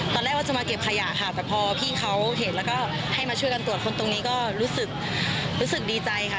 ตอนแรกว่าจะมาเก็บขยะค่ะแต่พอพี่เขาเห็นแล้วก็ให้มาช่วยกันตรวจคนตรงนี้ก็รู้สึกดีใจค่ะ